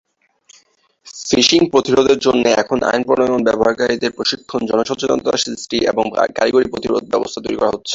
Fishing প্রতিরোধের জন্য এখন আইন প্রণয়ন, ব্যবহারকারীদের প্রশিক্ষণ, জনসচেতনতা সৃষ্টি, এবং কারিগরী প্রতিরোধ ব্যবস্থা তৈরি করা হচ্ছে।